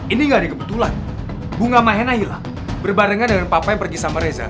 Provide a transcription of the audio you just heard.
ini gak ada kebetulan bunga mahena hilang berbarengan dengan papa yang pergi sama reza